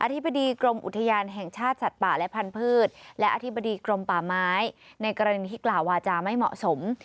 ธิบดีกรมอุทยานแห่งชาติสัตว์ป่าและพันธุ์และอธิบดีกรมป่าไม้ในกรณีที่กล่าววาจาไม่เหมาะสม